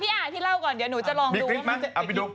พี่อ่านไปเล่าก่อนเดี๋ยวหนุ่มจะลองดู